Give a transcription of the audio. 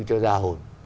cho gia hồn